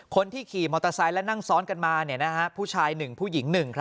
คนที่ขี่มอเตอร์ไซค์และนั่งซ้อนกันมาผู้ชาย๑ผู้หญิง๑